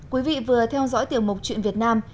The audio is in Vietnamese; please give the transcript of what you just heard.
quý vị vừa theo dõi tiểu mục chuyện việt nam